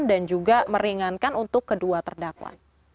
dan juga meringankan untuk kedua terdakwa